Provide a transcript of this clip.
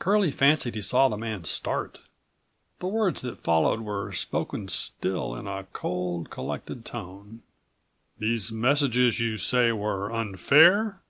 Curlie fancied he saw the man start. The words that followed were spoken still in a cold, collected tone. "These messages you say were unfair?"